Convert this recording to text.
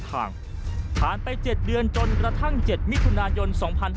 ผ่านไป๗เดือนจนกระทั่ง๗มิถุนายน๒๕๕๙